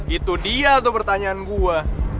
itu dia tuh pertanyaan gue